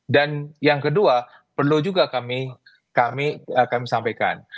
dan yang kedua perlu juga kami sampaikan